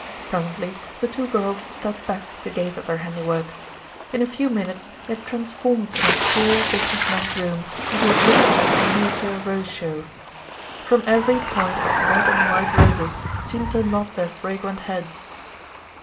Presently, the two girls stepped back to gaze at their handiwork. In a few minutes they had transformed an austere, business man's room into what looked like a miniature rose show. From every point red and white roses seemed to nod their fragrant heads.